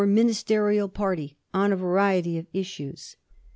ministerial, party on a variety of issues.